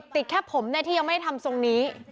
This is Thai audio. ติดแค่โผล่งนี้ที่ยังไม่ทำหล่อ